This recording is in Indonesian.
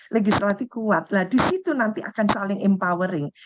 legislasi kuat lah di situ nanti akan saling empowering